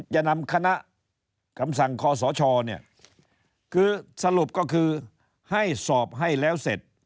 จะนำคณะคำสั่งคอสชเนี่ยคือสรุปก็คือให้สอบให้แล้วเสร็จ